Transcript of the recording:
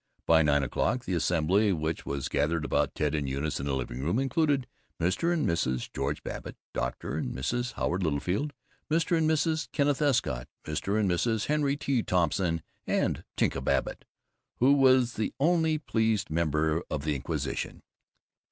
By nine o'clock the assembly which was gathered about Ted and Eunice in the living room included Mr. and Mrs. George Babbitt, Dr. and Mrs. Howard Littlefield, Mr. and Mrs. Kenneth Escott, Mr. and Mrs. Henry T. Thompson, and Tinka Babbitt, who was the only pleased member of the inquisition.